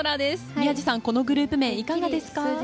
宮司さん、このグループ名いかがですか？